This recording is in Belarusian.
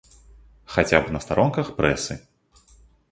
Хаця б на старонках прэсы.